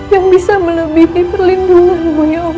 yang bisa melebihi perlindunganmu ya allah